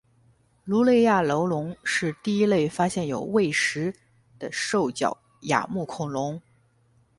卢雷亚楼龙是第一类发现有胃石的兽脚亚目恐龙。